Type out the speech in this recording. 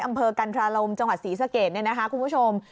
อำเภอกันทราลมจังหวัดศรีสะเกดเนี่ยนะคะคุณผู้ชม